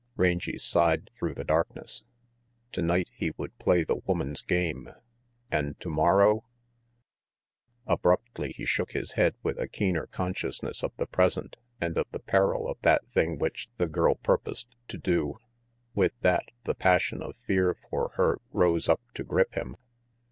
Rangy sighed through the darkness. Tonight he would play the woman's game; and tomorrow ? Abruptly he shook his head with a keener con sciousness of the present and of the peril of that thing which the girl purposed to do. With that, the passion of fear for her rose up to grip him.